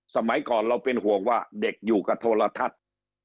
สมัยก่อนเราเป็นห่วงว่าเด็กอยู่กับโทรทัศน์